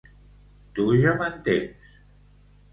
Tu ja m'entens.